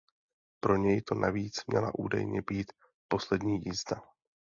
Pro něj to navíc měla údajně být poslední jízda.